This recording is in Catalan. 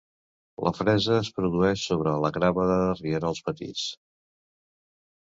La fresa es produeix sobre la grava de rierols petits.